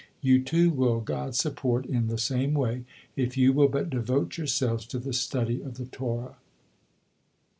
You, too, will God support in the same way, if you will but devote yourselves to the study of the Torah.